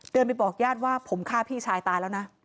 ไปบอกญาติว่าผมฆ่าพี่ชายตายแล้วนะ